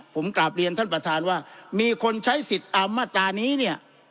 ผมกลับเรียนท่านประธานว่ามีคนใช้สิทธิ์ตามมาตรานี้เนี่ย